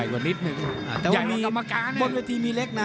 บนยาทีมีเล็กนะ